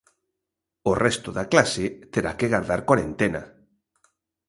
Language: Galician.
O resto da clase terá que gardar corentena.